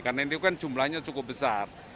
karena ini kan jumlahnya cukup besar